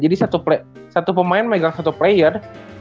jadi satu pemain megang satu player